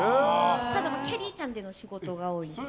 ただ、きゃりーちゃんでの仕事が多いですね。